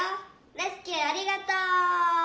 レスキューありがとう！」。